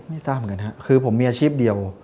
ไม่ทราบเหมือนกันครับคือผมมีอาชีพเดียว